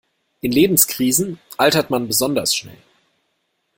In Lebenskrisen altert man besonders schnell.